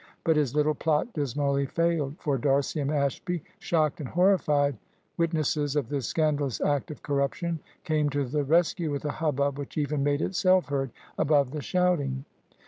But his little plot dismally failed. For D'Arcy and Ashby, shocked and horrified witnesses of this scandalous act of corruption, came to the rescue with a hubbub which even made itself heard above the shouting.